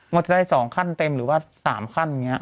ว่าจะได้๒ขั้นเต็มหรือว่า๓ขั้นอย่างนี้